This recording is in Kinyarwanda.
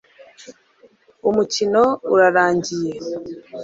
Umukino urarangiye